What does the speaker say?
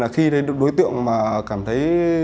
khi đối tượng cảm thấy